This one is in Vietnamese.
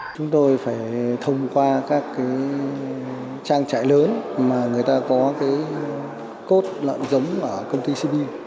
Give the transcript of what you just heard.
chúng tôi phải thông qua các trang trại lớn mà người ta có cốt lợn giống ở công ty cv